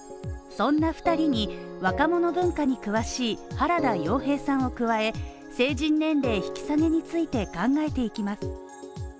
そんな２人に、若者文化に詳しい原田曜平さんを加え、成人年齢引き下げについて考えていきます。